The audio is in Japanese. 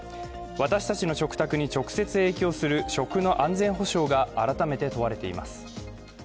私たちの食卓に直接影響する食の安全保障が改めて問われています。